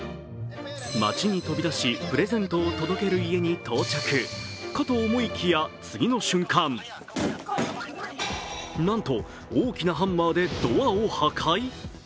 街に飛び出しプレゼントを届ける家に到着かと思いきや、次の瞬間、なんと大きなハンマーでドアを破壊？